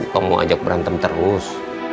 kamu ajak berantem terus